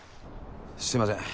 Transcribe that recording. すみません。